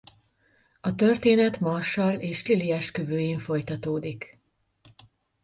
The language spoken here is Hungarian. A történet Marshall és Lily esküvőjén folytatódik.